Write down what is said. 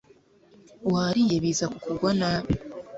wariye biza kukugwa nabi